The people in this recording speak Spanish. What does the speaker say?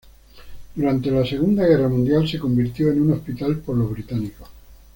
Durante la Segunda Guerra Mundial, se convirtió en un hospital por los británicos.